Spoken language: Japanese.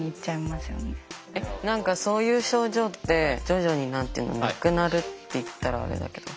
何かそういう症状って徐々になくなるって言ったらあれだけど。